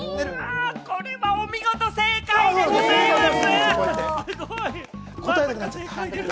これはお見事、正解でございます！